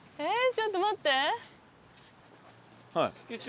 ちょっと待って。